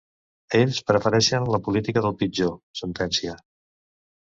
Ells prefereixen la política del pitjor, sentencia.